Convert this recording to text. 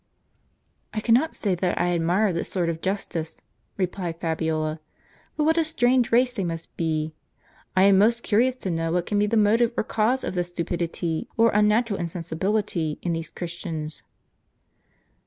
"I cannot say that I admire this sort of justice," replied Fabiola; " but what a strange race they must be ! 1 am most curious to know what can be the motive or cause of this stupidity, or unnatural insensibility, in these Christians?